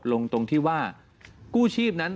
ลงตรงที่ว่ากู้ชีพนั้น